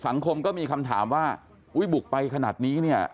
สังคมก็มีคำถามว่าอุ๊ยบุกไปขนาดนี้